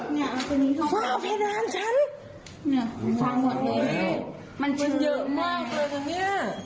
หมดแล้วถ้าเปิดมาก็มันเป็นไปได้